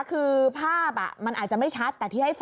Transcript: คือภาพมันอาจจะไม่ชัด